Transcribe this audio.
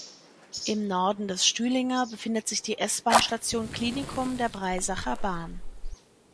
Im Norden des Stühlinger befindet sich die S-Bahn-Station Klinikum der Breisacher Bahn.